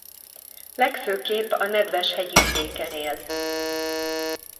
Legfőképp a nedves hegyi vidéken él.